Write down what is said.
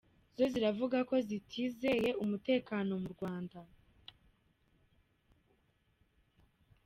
Zo ziravuga ko zitizeye umutekano mu Rwanda.